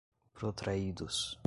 protraídos